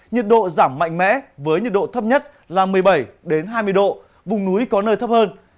nhiệt độ giảm mạnh mẽ với nhiệt độ thấp nhất là một mươi bảy hai mươi độ vùng núi có nơi thấp hơn